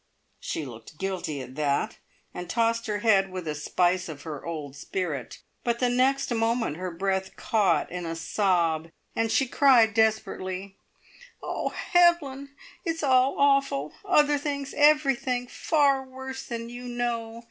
She looked guilty at that, and tossed her head with a spice of her old spirit. But the next moment her breath caught in a sob, and she cried desperately: "Oh, Evelyn, it's all awful! Other things everything far worse than you know.